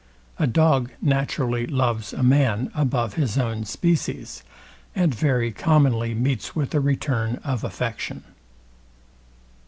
A dog naturally loves a man above his own species, and very commonly meets with a return of affection.